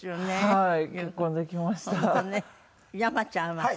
はい。